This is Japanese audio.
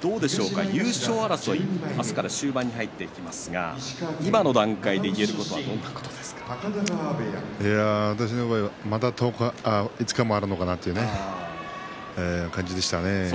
どうでしょうかね優勝争い、明日から終盤に入っていきますが今の段階で言えることは私の場合まだ５日もあるのかなという感じでしたね。